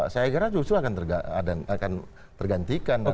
saya kira justru akan tergantikan